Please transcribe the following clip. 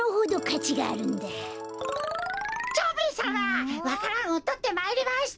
蝶兵衛さまわか蘭をとってまいりました。